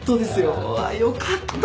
うわっよかった。